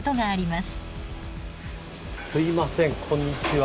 すいませんこんにちは。